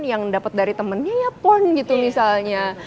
yang dapat dari temennya ya pon gitu misalnya